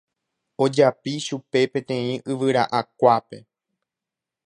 ojapi chupe peteĩ yvyra'akuápe